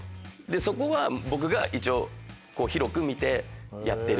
そこは僕が一応広く見てやってる。